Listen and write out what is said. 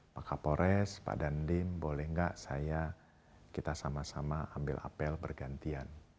pak kapolres pak dandim boleh nggak saya kita sama sama ambil apel bergantian